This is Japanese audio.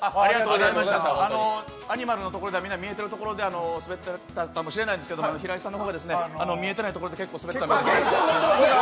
アニマルのとこ、見えてるところでスベってたかもしれないんですけど平井さんも見えてないところで結構スベってた。